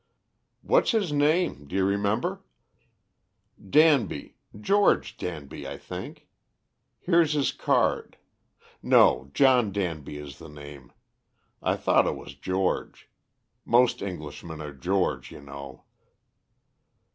"What's his name? Do you remember?" "Danby. George Danby, I think. Here's his card. No, John Danby is the name. I thought it was George. Most Englishmen are George, you know."